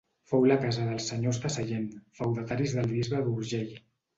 Fou la casa dels Senyors de Sallent, feudataris del bisbe d'Urgell.